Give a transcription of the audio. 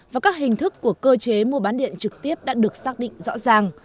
và các hình thức của cơ chế mua bán điện trực tiếp đã được xác định rõ ràng